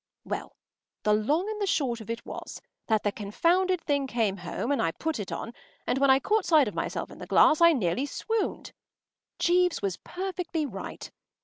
” Well, the long and the short of it was that the confounded thing came home, and I put it on, and when I caught sight of myself in the glass I nearly swooned. Jeeves was perfectly right.